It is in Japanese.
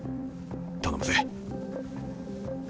頼むぜ。